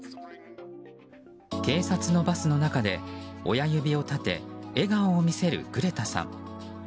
警察のバスの中で親指を立て笑顔を見せるグレタさん。